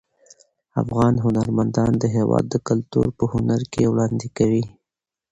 افغان هنرمندان د هیواد کلتور په هنر کې وړاندې کوي.